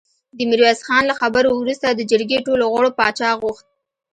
د ميرويس خان له خبرو وروسته د جرګې ټولو غړو پاچا غوښت.